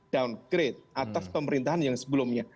downgrade atas pemerintahan yang sebelumnya